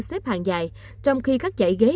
xếp hàng dài trong khi các chạy ghế